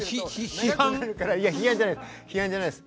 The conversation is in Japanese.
批判じゃないです。